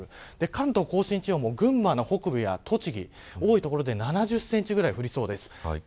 関東甲信地方も群馬の北部や栃木多い所で７０センチくらい降りそうです。